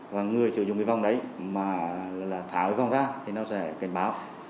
và người sử dụng cái vòng đấy mà là tháo cái vòng ra thì nó sẽ cảnh báo